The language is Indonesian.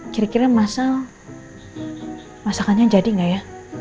kira kira masalah masakannya jadi gak ya